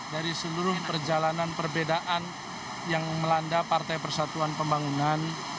dari seluruh perjalanan perbedaan yang melanda partai persatuan pembangunan